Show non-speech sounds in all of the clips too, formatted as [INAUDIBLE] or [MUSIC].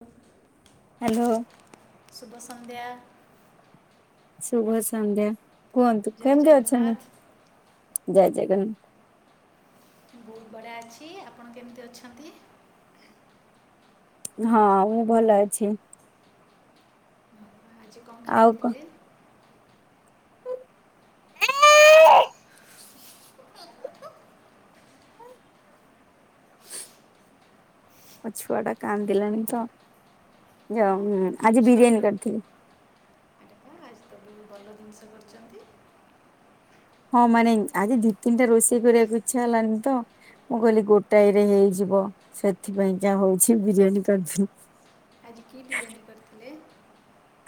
ହ ହ୍ୟାଲୋ। ଶୁଭ ସନ୍ଧ୍ୟା। ଶୁଭ ସନ୍ଧ୍ୟା କୁହନ୍ତୁ ଜୟ କେମତି ଅଛନ୍ତି? ଜଗନ୍ନାଥ ଜୟ ଜଗନ୍। ବହୁତ୍ ବଢ଼ିଆ ଅଛି ଆପଣ କେମିତି ଅଛନ୍ତି? ହଁ, ମୁଁ ଭଲ ଅଛି। ଆଜି କ'ଣ ଆଉ କ ଖାଇଥିଲେ? ମୋ ଛୁଆଟା କାନ୍ଦିଲାଣି ତ ହଁ ଯାଉ ଆଜି ଛୋଟ ବିରିୟାନୀ କରିଥିଲି। ଭଲ୍ ଜିନିଷ କରିଛନ୍ତି। ହଁ ମାନେ ଆଜି ଦି ତିନିଟା ରୋଷେଇ କରିବାକୁ ଇଚ୍ଛା ହେଲାନି ତ, ମୁଁ କହିଲି ଗୋଟାଏରେ ହେଇଯି ବ ସେଥିପାଇଁ ଯାହା ହଉଛି ବିରିୟାନୀ କରଦିଏ। ଆଜି କି ବିରିୟାନୀ କରିଥିଲେ?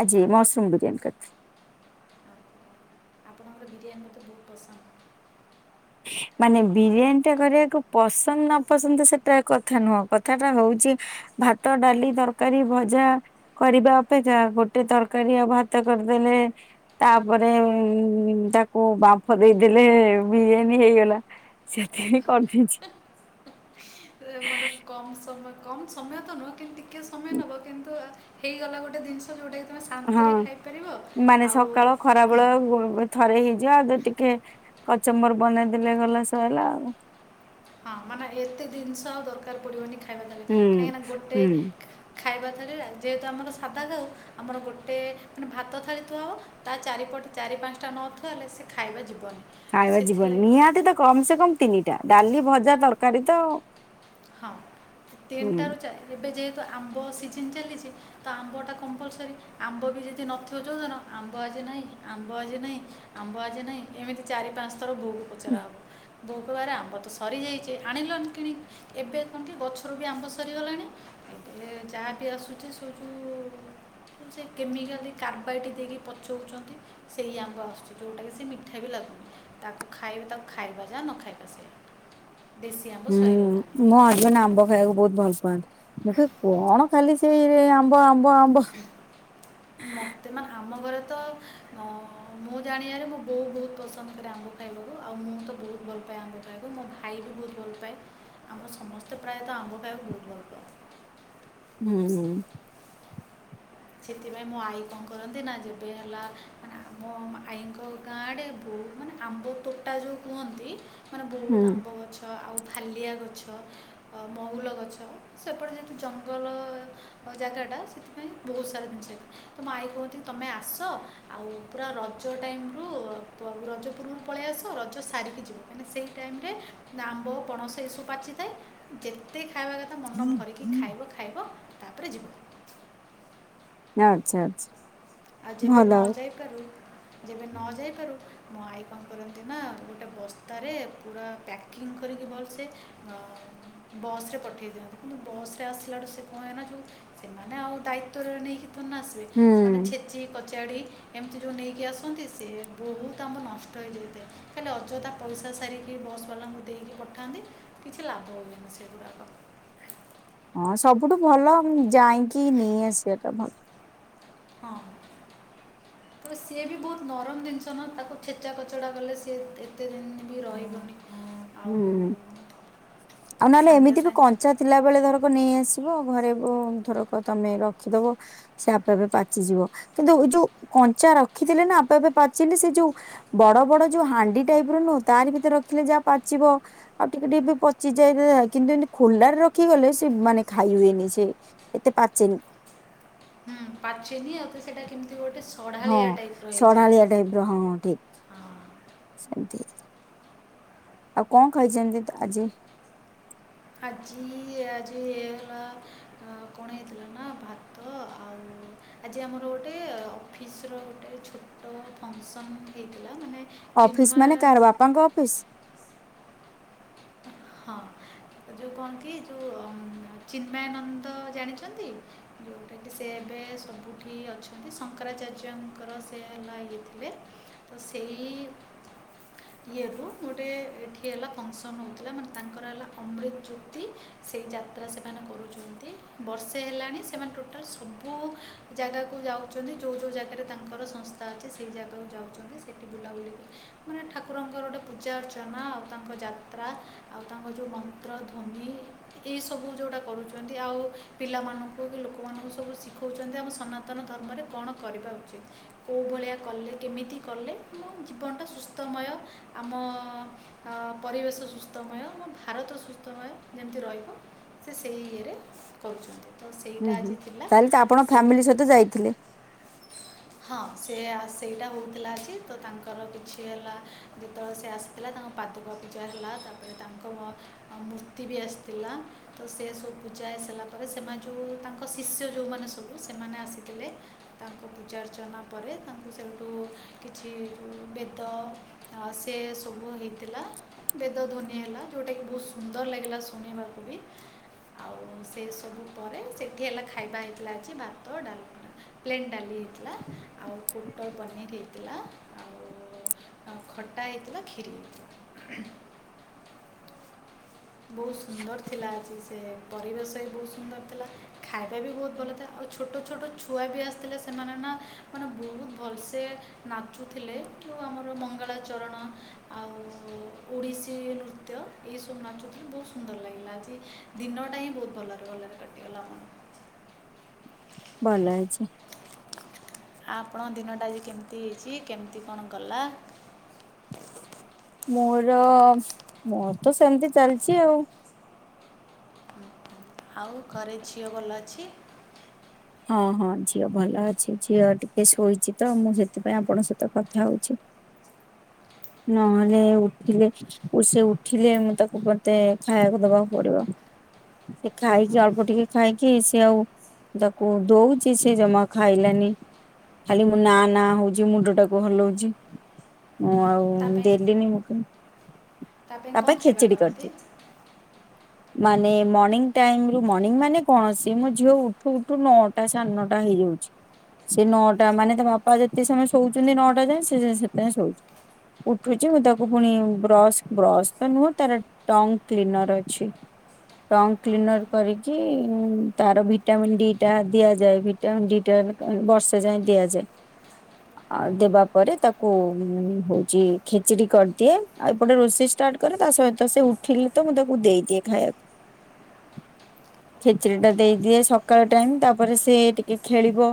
ଆଜି ମଶ୍ରୁମ୍ ବିରିୟାନୀ କରିଥିଲି। ଆପଣଙ୍କର ବିରିୟାନୀ ମତେ ବହୁତ ପସନ୍ଦ। ହ ମାନେ ବିରିୟାନୀ ଟା କରିବାକୁ ପସନ୍ଦ ନପସନ୍ଦ ସେଟା କଥା ନୁହଁ କଥାଟା ହଉଛି ଭାତ, ଡାଲି, ତରକାରୀ, ଭଜା କରିବା ଅପେକ୍ଷା ଗୋଟେ ତରକାରୀ ଆଉ ଭାତ କରିଦେଲେ ତାପରେ ହୁଁ ତାକୁ ବାମ୍ଫ ଦେଇଦେଲେ ବିରିୟାନୀ ହେଇଗଲା। ସେଥିରେ କରଦେଇଛି। ଏ ମାନେ କମ୍ ସମୟ କମ୍ ସମୟ ତ ନୁହଁ କିନ୍ତୁ ଟିକେ ସମୟ ନବ କିନ୍ତୁ ହେଇଗଲା ଗୋଟେ ଜିନିଷ ଯୋଉଟା ହଁ, ମାନେ ଆଉ ସକାଳ, ଖରାବେଳେ [UNINTELLIGIBLE] ଥରେ ହେଇଯିବ ଆଉ ଗୋ ଟିକେ କଚମ୍ବର ବନେଇଦେଲେ ଗଲା ସଇଲା ଆଉ। ହଁ, ମାନେ ଏତେ ଜିନିଷ ଆଉ ଦରକାର ପଡିବନି ଖା ହୁଁ ହୁଁ। ଖାଇବା ଥରେ ଯେହେତୁ ଆମର ସାଧା ଖାଉ ଆମର ଗୋଟେ ମାନେ ଭାତ ଥାଳି ଥୁଆ ହବ ତା ଚାରିପଟେ ଚାରି ପାଞ୍ଚଟା ନଥୁଆ ହେଲେ ସେ ଖାଇବା ଯିବ ଖାଇବା ଯିବନି ନିହାତି ତ କମ୍ ସେ କମ୍ ତିନିଟା ଡାଲି, ଭଜା, ତରକାରୀ ତ ଆଉ। ହଁ ହୁଁ ତିନିଟାରୁ ଚାର ଏବେ ଯେହେ ତ ଆମ୍ବ ସିଜନ ଚାଲିଛି ତ ଆମ୍ବ ଟା କମ୍ପଲସରୀ ଆମ୍ବ ବି ଯଦି ନଥିବ ଯୋଉ ଦିନ ଆମ୍ବ ଆଜି ନାଇଁ ଆମ୍ବ ଆଜି ନାଇଁ ଆମ୍ବ ଆଜି ନାଇଁ ଏମିତି ଚାରି ପାଞ୍ଚ ଥର ବୋହୂକୁ ପଚରା ହବ ବୋହୂ କହିବ ଆରେ ଆମ୍ବ ତ ସରିଯାଇଛି ଆଣିଲନି କିଣିକି। ଏବେ କ'ଣ କି ଗଛରୁ ବି ଆମ୍ବ ସରିଗଲାଣି ଏବେ ଯାହା ବି ଆସୁଛି ସବୁ ଯେ କେମିକାଲି କାର୍ବାଇଟ ଦେଇକି ପଚଉଛନ୍ତି ସେଇ ଆମ୍ୱ ଆସୁଛି ଯୋଉଟାକି ସେ ମିଠା ବି ଲାଗୁ ତାକୁ ଖାଇ ତାକୁ ଖାଇବା ଯାହା ନ ଖାଇବା ସେଇୟା। [INAUDIBLE] ହୁଁ, ମୋ ହଜବେଣ୍ଡ ଆମ୍ବ ଖାଇବାକୁ ବହୁତ ଭଲ ପାଆନ୍ତି। ମୁଁ କହେ କ'ଣ ଖାଲି ହେଇରେ ଆମ୍ୱ ଆମ୍ୱ ଆମ୍ୱ। ମତେ ମା ଆମ ଘରେ ତ ଅ ମୋ ଜାଣିବାରେ ମୋ ବୋଉ ବହୁତ ପସନ୍ଦ କରେ ଆମ୍ୱ। ଖାଇବାକୁ ଆଉ ମୁଁ ତ ବହୁତ ଭଲ ପାଏ ଆମ୍ୱ ଖାଇବାକୁ ମୋ ଭାଇ ବି ବହୁତ ଭଲପାଏ। ଆମ ସମସ୍ତେ ପ୍ରାୟତ ଆମ୍ବ ଖାଇବାକୁ ବହୁତ୍ ଭଲପାଏ। ହୁଁ ହୁଁ। ସେଥିପାଇଁ ମୋ ଆଈ କଣ କରନ୍ତି ନା ଯେବେ ହେଲା ମାନେ ଆମ ଆଈଙ୍କ ଗାଁ ଆଡ଼େ ବେ ମାନେ ଆମ୍ବ ତୋଟା ଯୋଉ କୁହନ୍ତି ମାନେ ବହୁତ ହୁଁ। ଆମ୍ବ ଗଛ ଆଉ ହାଲିଆ ଗଛ ଅ ମହୁଲ ଗଛ ସେପଟେ ଯେମିତି ଜଙ୍ଗଲ ଜାଗା [INAUDIBLE] ବହୁତ ସାରା ଜିନିଷ ହେଇଛି। ତ ମୋ ଆଈ କୁହନ୍ତି ତମେ ଆସ ଆଉ ପୁରା ରଜ ଟାଇମ୍ ରୁ ରଜ ପୂର୍ବରୁ ପଳେଇ ଆସ ରଜ ସାରିକି ଯିବ। ମାନେ ସେଇ ଟାଇମ୍ ରେ ନା ଆମ୍ବ ପଣସ ଏସବୁ ପାଚିଥାଏ। ଯେତେ ଖାଇବା କଥା ମନ ଭରିକି ଖାଇବ ଖାଇବ ତାପରେ ଯିବ। ଆଚ୍ଛା ଆଚ୍ଛା। ଆଉ ଯେବେ ଭଲ ନଯାଇ ପାରୁ ଯେବେ ନ ଯାଇପାରୁ ମୋ ଆଈ କଣ କରନ୍ତି ନା ଗୋଟେ ବସ୍ତାରେ ପୁରା ପ୍ୟାକିଂ କରିକି ଭଲସେ ଅ ବସ୍ ରେ ପଠେଇ ଦିଅନ୍ତି, କିନ୍ତୁ ବସ୍ ରେ ଆସିଲାଠୁ ସେ କଣ ହୁଏନା ଯୋଉ ସେମାନେ ଆଉ ଦାୟିତ୍ଵରେ ନେଇକି ଥୋନା ଆସିବେ ସେମାନେ ହୁଁ। ଛେଚି କଚ୍ ଚାଡ଼ି ଏମିତି ଯେଉଁ ନେଇକି ଆସନ୍ତି ସିଏ ବହୁତ ଆମ ନଷ୍ଟ ହେଇଯାଇଥାଏ, ଖାଲି ଅଯଥା ପଇସା ସାରିକି ବସ୍ ବାଲାଙ୍କୁ ଦେଇକି ପଠାନ୍ତି କିଛି ଲାଭ ହୁଏନି ସେଗୁଡ଼ାକ। ହଁ ସବୁଠୁ ଭଲ ଯାଇଁକି ନେଇ ଆସିବା ଟା ଭଲ। ହଁ। [INAUDIBLE] ତ ସିଏ ବି ବହୁତ ନରମ ଜିନିଷ ନା ତାକୁ ଛେଚା କଚଡ଼ା କଲେ ସିଏ ଏତେ ଦିନ ବି ରହିବନି। ଆଉ ହୁଁ। ଆଉ ନହେଲେ ସାଙ୍ଗେ ଏମିତି ବି ସାଙ୍ଗେ କଞ୍ଚା ଥିଲା ବେଳେ ଧରକ ନେଇଆସିବ। ଘରେ ଧରକ ତମେ ରଖିଦବ ସେ ଆପେ ଆପେ ପାଚିଯିବ, କିନ୍ତୁ ଏ ଯୋଉ କଞ୍ଚା ରଖିଥିଲେ ନା ଆପେ ଆପେ ପାଚିଲେ ସେ ଯୋଉ ବଡ ବଡ ଯୋଉ ହାଣ୍ଡି ଟାଇପ ର ନୁହଁ ତାରି ଭିତରେ ରଖିଲେ ଯାହା ପାଚିବ ଆଉ ଟିକେ ଟିକେ ବି ପ ଚିଯାଏ ଜେ କିନ୍ତୁ ଏମତି ଖୋଲାରେ ରଖିକି ଗଲେ ସେ ମାନେ ଖାଇ ହୁଏନି ସେ ଏତେ ପାଚେନି। [INAUDIBLE] ହୁଁ ପାଚେଇଦିଏ ଆଉ ଥରେ ସେଟା କେମିତି ଗୋଟେ ହଁ ସଢ଼ାଳିଆ ଟାଇପ୍ର ହେଇଯାଏ ସଢାଳିଆ ଟାଇପ ର ହଁ ହଁ ଠିକ୍, ହଁ ସେମତି। ଆଉ କଁ ଖାଇଚନ୍ତି ତ୍ ଆଜି? ଆଜି ଆଜିଇ ହେଲା ଆ କଣ ହେଇଥିଲା ନା ଭାତ ଆଉ ଆଜି ଆମର ଗୋଟେ ଅଫିସ ର ଗୋଟେ ଛୋଟ ଫଙ୍କସନ୍ ହେଇଥିଲା, ମାନେ ଅଫିସ୍ ମାନେ ଚିନ୍ମୟ କାହାର ବାପାଙ୍କ ଅଫିସ୍? ହଁ ଯୋଉ କଅଁନ୍ତି ଯୋଉ ଅ ଉଁ ଚିନ୍ମୟାନନ୍ଦ ଜାଣିଚନ୍ତି? ଯଉଟାକି ସେ ଏବେ ସବୁଠି ଅଛନ୍ତି ଶଙ୍କରାଚାର୍ଯ୍ୟଙ୍କର ସେ ହେଲା ଇଏ ଥିଲେ। ତ ସେଇ ଇଏ ରୁ ଗୋଟେ ଏଠି ହେଲା ଫଙ୍କ୍ସନ୍ ହଉଥିଲା ମାନେ ତାଙ୍କର ଏଲା ଅମୃତ ଜ୍ୟୋତି, ସେଇ ଯାତ୍ରା ସେମାନେ କରୁଛନ୍ତି ବର୍ଷେ ହେଲାଣି ସେମାନେ ଟୋଟାଲ୍ ସବୁ ଜାଗାକୁ ଯାଉଚନ୍ତି ଯୋଉ ଯୋଉ ଜାଗାରେ ତାଙ୍କର ସଂସ୍ଥା ଅଛି ସେ ଜାଗାକୁ ଯାଉଛନ୍ତି ସେଠି ବୁଲାବୁଲିି ମାନେ ଠାକୁରଙ୍କର ଟେ ପୂଜା ଅର୍ଚ୍ଚନା ଆଉ ତାଙ୍କ ଯା ତ୍ରା ଆଉ ତାଙ୍କ ଯୋଉ ମନ୍ତ୍ର ଧ୍ୱନି ଏଇ ସବୁ ଯୋଉା ଗୁଡା କରୁଛନ୍ତି ଆଉ ପିଲା ମାନଙ୍କୁ କି ଲୋକମାନଙ୍କୁ ସବୁ ଶିଖଉଚନ୍ତି ଆମ ସନାତନ ଧର୍ମରେ କଣ କରିବା ଉଚିତ୍ କୋଉ ଭଳିଆ କଲେ କେମିତି କଲେ ମୋ ଜୀବନଟା ସୁସ୍ଥମୟ ଆମ ଅ ପରିବେଶ ସୁସ୍ଥମୟ, ଆମ ଭାରତ ସୁସ୍ଥମୟ, ଯେମିତି ରହିବ ସେ ସେଇ ଇଏରେ କରୁଛନ୍ତି। ତ ସେଇଟା ହୁଁ ହୁଁ ଆଜି ଥିଲା ତାଆଲେ ତ ଆପଣ ସେ ଫ୍ୟାମିଲି ସହିତ ଯାଇଥିଲେ? ହଁ ସେ ଆ ସେଇଟା ହଉଥିଲା ଆଜି ତ ତାଙ୍କର କିଛି ହେଲା ଯେତବେଳେ ସେ ଆସିଥିଲା ତାଙ୍କ ପାଦୁକ ଜା ହେଲା ତାପରେ ତାଙ୍କ ଅ ମୂର୍ତ୍ତି ବି ଆସିଥିଲା ତ ସେ ସବୁ ପୂଜା ହେସାରିଲା ପରେ ସେମାନେ ଯଉ ତାଙ୍କ ଶିଷ୍ୟ ଯଉମାନେ ସବୁ ସେମାନେ ଆସିଥିଲେ ତାଙ୍କ ପୂଜାର୍ଚ୍ଚନା ପରେ ତାଙ୍କୁ ସେଇଠୁ କିଛି ବେଦ ଆ ସେ ସବୁ ହେଇଥିଲା। ବେଦ ଧ୍ୱନି ହେଲା ଯଉଟାକି ବହୁତ୍ ସୁନ୍ଦର ଲାଗିଲା ଶୁଣିବାକୁ ବି। ଆଉ ସେ ସବୁ ପରେ ସେଠି ହେଲା ଖାଇବା ହେଇଥିଲା ଆଜି ଭାତ ଡ଼ାଲମା, ପ୍ଲେନ୍ ଡାଲି। ହେଇଥିଲା ଆଉ ପୋଟଳ ପନିର ହେଇଥିଲା, ଆ ଉ ଆଉ ଖଟା ହେଇଥିଲା କ୍ଷିରି ହେଇଥିଲା। ବହୁତ୍ ସୁନ୍ଦର ଥିଲା ଆଜି ସେ ପରିବେଶ ବି ବହୁତ୍ ସୁନ୍ଦର ଥିଲା ଖାଇବା ବି ବହୁତ ଭଲ ଥିଲା, ଆ ଉ ଛୋଟ ଛୋଟ ଛୁଆ ବି ଆସିଥିଲେ ସେମାନେ ନା ମାନେ ବହୁତ ଭଲସେ ନାଚୁଥିଲେ। ଯୋଉ ଆମର ମଙ୍ଗଳା ଚରଣ ଆଉ ଓଡ଼ିଶୀ ନୃତ୍ୟ ଏହିସବୁ ନାଚୁ ବହୁତ୍ ସୁନ୍ଦର ଲାଗିଲା ଆଜି ଦିନଟା ହିଁ ବହୁତ୍ ଭଲରେ ଭଲରେ କଟିଗଲା ଆମର। ଭଲ ହେଇଚି। ଆପଣଙ୍କ ଦିନଟା ଆଜି କେମିତି ହେଇଚି କେମିତି କଣ ଗଲା? ମୋର ମୋର ତ ସେମିତି ଚାଲିଚି ଆଉ। ଆଉ ଘରେ ଝିଅ ଭଲ ଅଛି? ହଁ ହଁ ଝିଅ ଭଲ ଅଛି ଝିଅ ଟିକେ ଶୋଇଚି ତ ମୁଁ ସେଥିପାଇଁ ଆପଣ ସଇତ କଥା ହଉଛି। ନହେଲେ ଉଠିଲେ ସେ ଉଠିଲେ ମୁଁ ତାକୁ ମତେ ଖାଇବାକୁ ଦବାକୁ ପଡିବ। ସେ ଖାଇକି ଅଳ୍ପ ଟିକେ ଖାଇକି ସିଏ ଆଉ ଦ କୋ ଦଉଚି ସେ ଜମା ଆଉ ଖାଇଲାନି। ଖାଲି ନା ନା ହଉଚି ମୁଣ୍ଡ ଟାକୁ ହଲଉଚି। ମୁଁ ଆଉ ତା ପାଇଁ ଦେଲିିନି ମୁକୁ ତା ପାଇଁ କଁ ଖାଇବା କରନ୍ତି? ମାନେ ମଣିଂ ଟାଇମରୁ ମଣିଂ ମାନେ କଣ ସେ ମୋ ଝିଅ ଉଠୁ ଠୁ ନଅଟା ସାଢେ ନଅଟା ହେଇଯାଉଛି। ସେ ନଅଟା ମାନେ ତା ବାପା ଯେତେ ସମୟ ଶୋଉଚନ୍ତି ନଅଟା ଯାଏଁ ସେ [UNINTELLIGIBLE] ଶୋଉଚି। ଉଠୁଚି ମୁଁ ତାକୁ ପୁଣି ବ୍ରସ୍ ବ୍ରସ୍ ତ ନୁହଁ ତାର ଟଙ୍ଗ କ୍ଲିନର ଅଛି। ଟଙ୍କ୍ ହଁ ହଁ କ୍ଲିନର କରିକି ଉଁ ତାର ଭିଟାମିନ୍ ଡି ତା ଦିଆ ଯାଏ ଭିଟାମିନ ଡି ଟ୍ୟାନ୍ କା ବର୍ଷେ ଯାଏଁ ଦିଆ ଯାଏ। ଆଉ ହଁ ଦେବାପରେ ତାକୁ ହୁ ହଉଚି ଖେଚିଡି କରିଦିଏ ଆଉ ଏପଟେ ରୋଷେଇ ଷ୍ଟା କ ତା ସହିତ ସେ ଉଠିଲେ ତ ମୁଁ ତାକୁ ଦେଇଦିଏ ଖାଇବାକୁ। ଖେଚୁଡି ଟା ଦେଇଦିଏ ସକାଳ ଟାଇମ ତାପରେ ସେ ଟିକେ ଖେଳିବ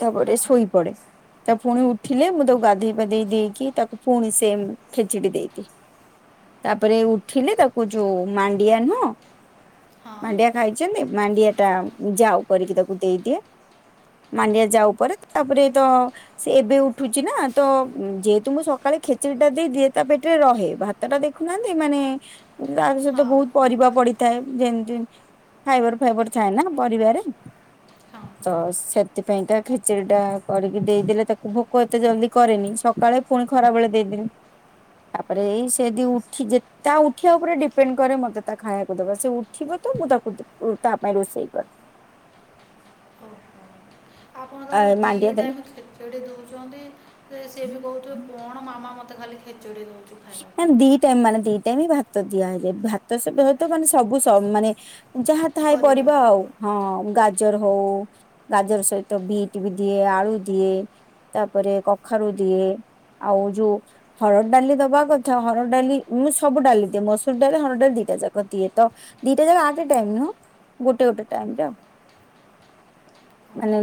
ତାପରେ ହଁ ସୋଇ ପଡ଼େ। ତା ପୁଣି ଉଠିଲେ ମୁଁ ତାକୁ ଗାଧେଇ ପାଧେଇ ଦେଇକି ତାକୁ ପୁଣି ସେ ଖେଚଡି ଦେଇଦିଏ। ତାପରେ ଉଠିଲେ ତାକୁ ଯୋଉ ମାଣ୍ଡିଆ ନୁହଁ ହଁ ମାଣ୍ଡିଆ ଖାଇଛନ୍ତି ମାଣ୍ଡିଆ ଟା ଯାଉ କରିକି ତାକୁ ଦେଇଦିଏ। ମାଣ୍ଡିଆ ଯାଉ ପରେ ତାପରେ ତ ସେ ଏବେ ଉଠୁଛି ନା ତ ଯେହେତୁ ମୁଁ ସକାଳ ଖେଚୁରଡି ଟା ଦେଇ ଦିଏ ତା ପେଟରେ ରହେ ଭାତ ଟା ଦେଖୁନାହାନ୍ତି ମାନେ ତା ସହିତ ହଁ ବହୁତ ପରିବା ପଡିଥାଏ ଯେମିତି ଫାଇବର ଫାଇବର ଥାଏ ନା ପରିବାରେ ହଁ ତ ସେଥିପାଇଁ ତା ଖେଚେଡି ଟା କରିକି ଦେଇଦେଲେ ତାକୁ ଭୋକ ଏତେ ଜଲ୍ଦି କରେନି କାଳେ ପୁଣି ଖରାପବେଳେ ଦେଇଦେବେ। ତାପରେ ଇ ସେଦି ଉଠି ତା ଉଠିବା ଉପରେ ଡିପେଣ୍ଡ କରେ ମତେ ତା ଖାଇବାକୁ ଦବା ସେ ଉଠିବ ତ [UNINTELLIGIBLE] ତା ପାଇଁ ରୋଷେଇ କରେ। ଓ ହୋ। ଆପଣ ଆ ଦି ମାଣ୍ଡିଆ ଦେଲେ ଟାଇମ ଖେଚୋଡ଼ି ଦୌଚନ୍ତି ସେ ବି କହୁଥିବ କଣ ମାମା ମତେ ଖାଲି ଖେଚଡ଼ି ଦେଉଛୁ ଖାଇବା ଦି ପାଇଁକି ଟାଇମ ମାନ ଦି ଟାଇମ ଭ ଭାତ ଦିଆ ହେଇଯାଏ ଭାତ ସବୁ ସବୁ ସ ମାନେ ଯାହା ଥାଏ ପରିବା ଆଉ। ହଁ ଗାଜର ହଉ ଗାଜର ସହିତ ବିଟ୍ ବି ଦିଏ ଆଳୁ ଦିଏ ତାପରେ କଖାରୁ ଦିଏ ଆଉ ଯୋଉ ହରଡ଼ ଡାଲି ଦବା କଥା ହର ଡଲି ମୁଁ ସବୁ ଡାଲି ଦିଏ ମସୁର ଡା ହର ଡାଲି ଦିଟା ଯାକ ଦି ତ ଦିଟା ଯା ଆ ଟାଇମ ନୁହ ଗୋଟେ ଗୋଟେ ଟାଇମ ଯାଉ ମାନେ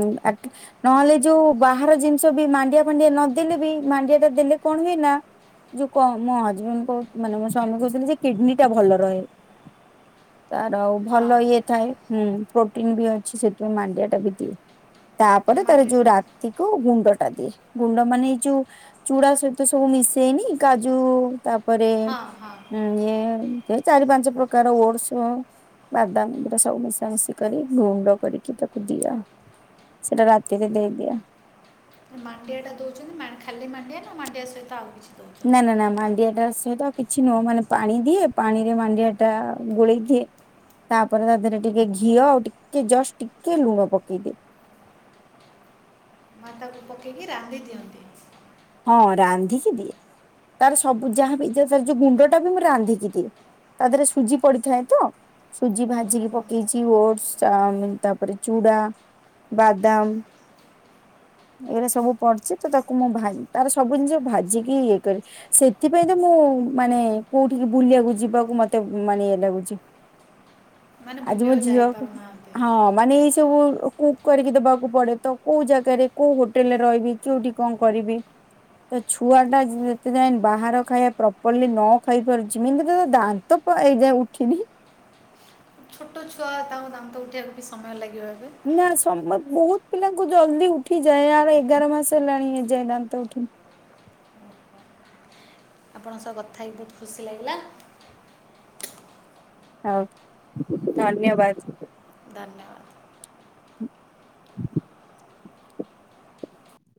ନହେଲେ ଯୋଉ ବାହାର ଜିନିଷ ବି ମାଣ୍ଡିଆ ଫାଣ୍ଡିଆ ନଦେଲେ ବି ମାଣ୍ଡିଆ ଟା ଦେଲେ କଣ ହୁଏ ନା ଯୋଉ କ ମୋ ହଜବେଣ୍ଡ କ ମାନେ ମୋ ସ୍ଵାମୀ କହୁଥିଲେ ଯେ କିଡନୀ ଟା ଭଲ ରହେ। ତାର ଆଉ ହଁ ଭଲ ଇଏ ଥାଏ ହୁଁ ପ୍ରୋଟିନ ବି ଅଛି ସେଥିପାଇଁ ମାଣ୍ଡିଆ ଟା ବି ଦିଏ। ତାପରେ ତାର ମାଣ୍ଡି ଯୋଉ ରାତି କୁ ଗୁଣ୍ଡ ଟା ଦିଏ ଗୁଣ୍ଡ ମାନେ ଏଇ ଯୋଉ ଚୁଡା ସହିତ ସବୁ ମିଶେଇନି କାଜୁ ତାପରେ ହଁ ହଁ ଇଏ ଚାରି ପାଞ୍ଚ ପ୍ରକାର ଓଡସ ବାଦାମନ୍ଦୁରା ସବୁ ମିଶାମିଶି କରି ଗୁଣ୍ଡ କରିକି ତାକୁ ଦିଏ ଆଉ। ସେଟା ରାତିରେ ଦେଇଦିଆ ମାଣ୍ଡିଆ ଟା ଦଉଛନ୍ତି ଖାଲି ମାଣ୍ଡିଆ ନା ମାଣ୍ଡିଆ ସହିତ ଆଉ କିଛି? ନା ନା ନା ଦେଉଛନ୍ତି ମାଣ୍ଡିଆଟ୍ର ସହିତ ଆଉ କିଛି ନୁହଁ ମାନେ ପାଣି ଦିଏ ପାଣି ରେ ମାଣ୍ଡିଆ ଟା ଗୋଳେଇ ଦିଏ ତାପରେ ତା ଦେହରେ ଟିକେ ଘିଅ ଆଉ ଟିକେ ଜଷ୍ଟ ଟିକେ ଲୁଣ ପକେଇଦିଏ। ମା ତାଙ୍କୁ ପକେଇକି ରାନ୍ଧି ଦିଅନ୍ତି। ହଁ ରାନ୍ଧିକି ଦିଏ ତାର ସବୁ ଯାହାବ ତାର ଯୋଉ ଗୁଣ୍ଡ ଟା ବି ମୁଁ ରାନ୍ଧିକି ଦିଏ। ତା ଦେହରେ ସୁଜି ପଡିଥାଏ ତ ସୁଜି ଭାଜିିକି ପକେଇଛି ଓଟ ତାପରେ ଚୁଡା ବାଦାମ ଏଇଟା ସବୁ ପଡିୁଛି ତ ତାକୁ ମୁଁ ତାର ସବୁ ଜିନିଷ ଭାଜିକି ଇଏ କରିବି ସେଥିପାଇଁ ତ ମୁଁ ମାନେ କୋଉଠିକି ବୁଲିବାକୁ ଯିବାକୁ ମତେ ମାନେ ଇଏ ଲାଗୁଛି। ମାନେ ଆଜି ମୋ ବୁଲିବାକୁ ଝିଅ ଯାଇପାରୁନାହାନ୍ତି ହଁ ମାନେ ସବୁ କୁକ୍ କରିକି ଦେବାକୁ ପଡେ ତ କୋଉ ଜାଗାରେ କୋଉ ହୋଟେଲରେ ରହିବି କେୋଉଠି କଣ କରିବି ତ ଛୁଆ ଟା ଯେତେ ଯାଇ ବାହାର ଖାଇବା ପ୍ରପରଲି ନ ଖାଇପାରୁଛି ଏମତି ରେ ଦାନ୍ତ ହ ଏଇ ଯାଏ ଉଠିନି। ଛୋଟ ଛୁଆ ତାଙ୍କ ଦାନ୍ତ ଉଠେଇିବାକୁ ବି ସମୟ ଲାଗେ। ନା ସମ ବହୁତ ପିଲାଙ୍କୁ ଜଲ୍ଦି ଉଠିଯାଏ ଆର ଏଗାର ମାସ ହେଲାଣି ଏଯାଏ ଦାନ୍ତ ଉଠିନି। [INAUDIBLE] ଆପଣଙ୍କ ସହ କଥା ହେଇି ବହୁତ ଖୁସି ଲାଗିଲା ହଉ ଧନ୍ୟବାଦ। ଧନ୍ୟବାଦ। [INAUDIBLE]